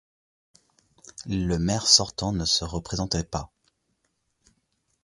Le maire sortant ne se représentait pas.